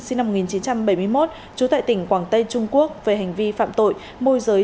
sinh năm một nghìn chín trăm bảy mươi một trú tại tỉnh quảng tây trung quốc về hành vi phạm tội môi giới